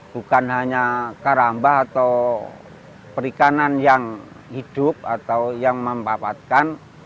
bukan hanya karambah atau perikanan yang hidup atau yang mempapatkan